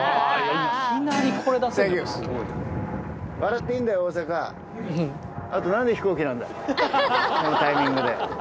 このタイミングで。